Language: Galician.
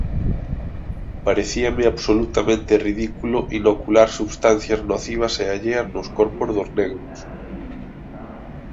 Parecíame absolutamente ridículo inocular substancias nocivas e alleas nos corpos dos negros.